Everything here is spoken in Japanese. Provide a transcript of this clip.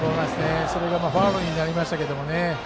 それがファウルになりましたけどね。